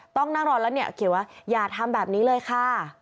ต้องนั่งรอแล้วเนี่ยเขียนว่าอย่าทำแบบนี้เลยค่ะ